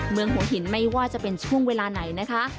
เมืองหัวหินไม่ว่าจะเป็นช่วงเวลาไหนนะคะ